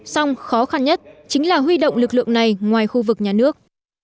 song khó khăn nhất chính là huy động lực lượng này ngoài khu vực nhà nước